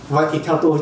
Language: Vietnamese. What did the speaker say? vậy thì theo tôi